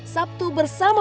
sabtu bersama bapak